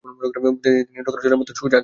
মেয়েদের নিয়ন্ত্রণ করা জলের মতো সোজা কাজ!